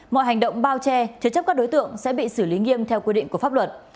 mọi hành động bao che chế chấp các đối tượng sẽ bị xử lý nghiêm theo quy định của pháp luật